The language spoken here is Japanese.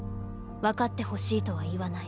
「わかってほしいとは言わない」。